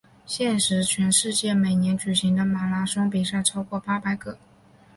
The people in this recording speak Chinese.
现时全世界每年举行的马拉松比赛超过八百个。